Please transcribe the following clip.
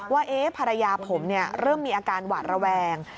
ว่าเอ๊ะภรรยาผมเนี่ยเริ่มมีอาการหวาดระแวง